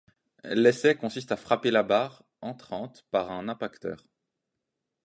L’essai consiste à frapper la barre entrante par un impacteur.